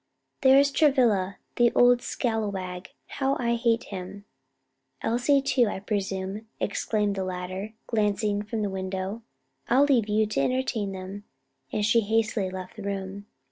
"There's Travilla, the old scalawag: how I hate him! Elsie too, I presume," exclaimed the latter, glancing from the window; "I'll leave you to entertain them," and she hastily left the room.